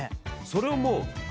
それをもう。